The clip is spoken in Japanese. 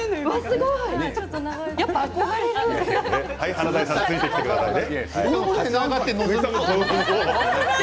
華大さんついてきてくださいね。